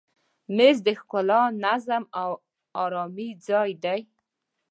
مېز د ښکلا، نظم او آرامي ځای دی.